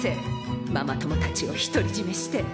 ママ友たちを独り占めして。